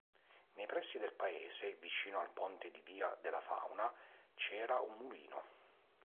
Nei pressi del paese, vicino al ponte di Via della Fauna, c'era un mulino.